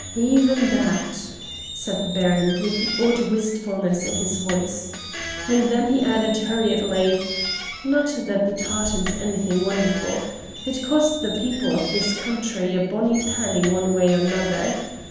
"Even that!" said the Baron, with the odd wistfulness in his voice. And then he added hurriedly, "Not that the tartan's anything wonderful. It cost the people of this country a bonny penny one way or another.